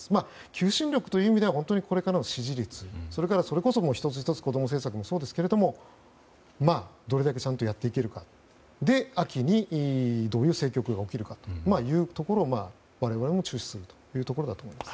求心力という意味では本当にこれからの支持率それこそ、１つ１つ子ども政策もそうですけれどもどれだけちゃんとやっていけるかで秋にどういう政局が起きるかというところを我々も注視するというところだと思います。